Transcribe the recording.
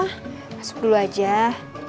masuk dulu aja